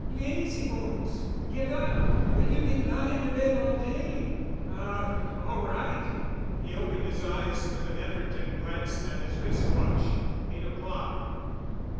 "Lazy bones! Get up! Will you be lying abed all day?" "A—all right——" He opened his eyes with an effort and glanced at his wrist watch—— Eight o'clock.